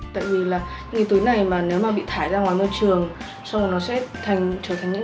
tại vì là những thứ này mà nếu mà bị thải ra ngoài môi trường xong rồi nó sẽ trở thành những cái vị hài vi nhựa ấy